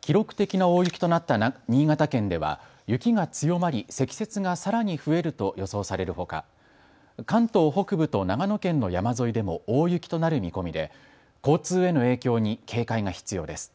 記録的な大雪となった新潟県では雪が強まり積雪がさらに増えると予想されるほか関東北部と長野県の山沿いでも大雪となる見込みで交通への影響に警戒が必要です。